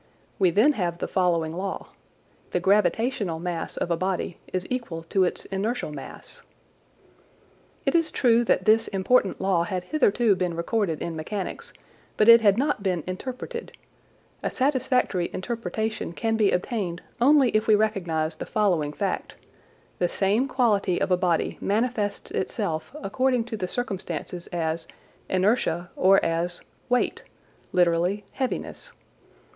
We then have the following law: The gravitational mass of a body is equal to its inertial law. It is true that this important law had hitherto been recorded in mechanics, but it had not been interpreted. A satisfactory interpretation can be obtained only if we recognise the following fact : The same quality of a body manifests itself according to circumstances as " inertia " or as " weight " (lit. " heaviness